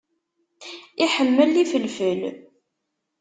Iḥemmel ifelfel.